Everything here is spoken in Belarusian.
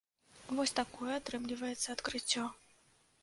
Вось такое атрымліваецца адкрыццё.